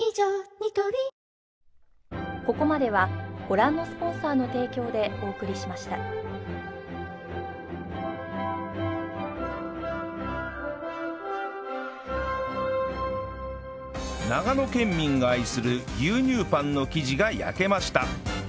ニトリ長野県民が愛する牛乳パンの生地が焼けました